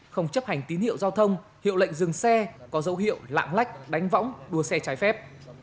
không chấp hành tín hiệu giao thông hiệu lệnh dừng xe có dấu hiệu lạng lách đánh võng đua xe trái phép